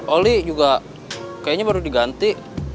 oli juga kayaknya baru diganti